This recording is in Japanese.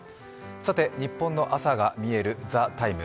ニッポンの朝がみえる「ＴＨＥＴＩＭＥ，」